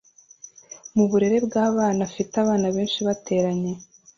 muburere bw'abana afite abana benshi bateranye